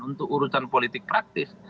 untuk urusan politik praktis